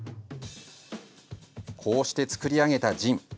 こうして造り上げたジン。